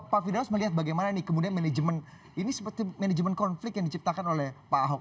pak firdaus melihat bagaimana nih kemudian manajemen ini seperti manajemen konflik yang diciptakan oleh pak ahok